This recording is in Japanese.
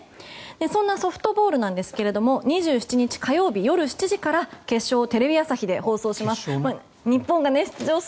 そんなソフトボールなんですが２７日、火曜日、夜７時から決勝をテレビ朝日で放送します。